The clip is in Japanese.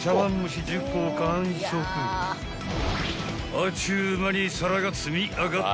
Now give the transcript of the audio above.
［あっちゅう間に皿が積み上がった］